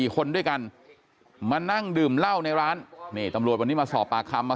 คนด้วยกันมานั่งดื่มเหล้าในร้านนี่ตำรวจวันนี้มาสอบปากคำมา